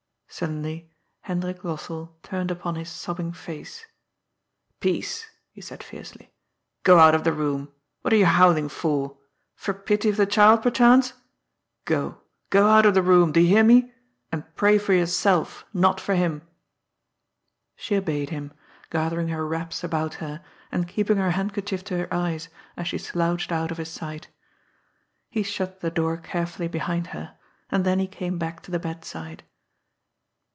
Suddenly Hendrik Lossell turned upon his sobbing wife: " Peace !" he said fiercely. " Go out of the room. What are you howling for ? For pity of the child, perchance ! Go — go out of the room — do you hear me ?— and pray for yourself, not for him." She obeyed him, gathering her wraps about her, and keeping her handkerchief to her eyes, as she slouched out of his sight. He shut the door carefully behind her, and then he came back to the bedside.